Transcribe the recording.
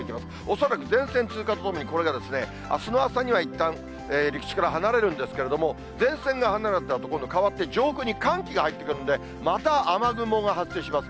恐らく前線通過とともにこれがですね、あすの朝にはいったん陸地から離れるんですけれども、前線が離れたところに、変わって、上空に寒気が入ってくるので、また雨雲が発生します。